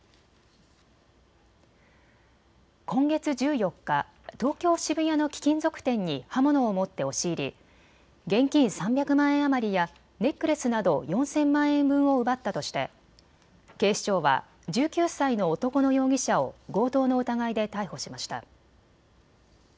今月１４日、東京渋谷の貴金属店に刃物を持って押し入り現金３００万円余りやネックレスなど４０００万円分を奪ったとして警視庁は１９歳の男の容疑者を強盗の疑いで逮捕しました。